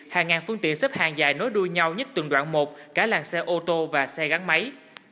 hàng ngàn phương tiện xếp hàng dài nối đuôi nhau nhất từng đoạn một cả làng xe ô tô và xe gắn máy